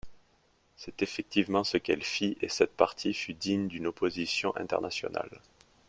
C'est effectivement ce qu'elle fit et cette partie fut digne d'une opposition internationale.